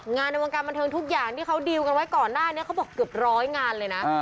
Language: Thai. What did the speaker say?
ในวงการบันเทิงทุกอย่างที่เขาดีลกันไว้ก่อนหน้านี้เขาบอกเกือบร้อยงานเลยนะ